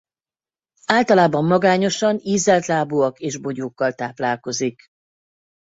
Általában magányosan ízeltlábúak és bogyókkal táplálkozik.